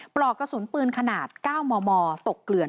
ปลอกกระสุนปืนขนาด๙มมตกเกลื่อน